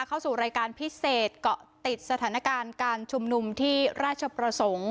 เข้าสู่รายการพิเศษเกาะติดสถานการณ์การชุมนุมที่ราชประสงค์